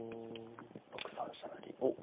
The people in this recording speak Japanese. ６三飛車成おっ